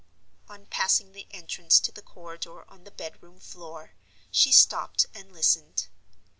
On passing the entrance to the corridor on the bedroom floor, she stopped and listened.